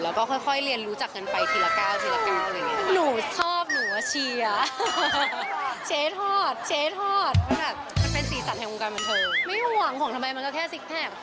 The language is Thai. เราก็ค่อยเรียนรู้จักกันไปทีละ๙อะไรอย่างนี้